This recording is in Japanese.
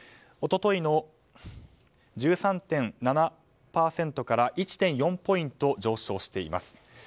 一昨日の１３．７％から１．４ポイント上昇しています。